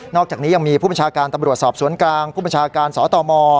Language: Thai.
อกจากนี้ยังมีผู้บัญชาการตำรวจสอบสวนกลางผู้บัญชาการสตม